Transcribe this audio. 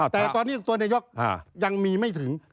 แต่ตอนนี้ตัวนายกยังมีไม่ถึง